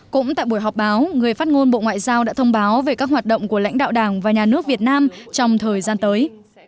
cũng tại buổi họp báo người phát ngôn bộ ngoại giao đã thông báo về các hoạt động của lãnh đạo đảng và nhà nước việt nam trong thời gian tới